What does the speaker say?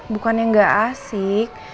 bukannya enggak asik